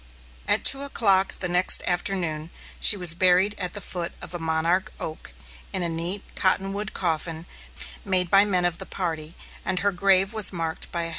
At two o'clock the next afternoon, she was buried at the foot of a monarch oak, in a neat cottonwood coffin, made by men of the party, and her grave was marked by a headstone.